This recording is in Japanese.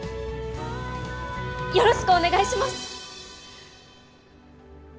よろしくお願いします！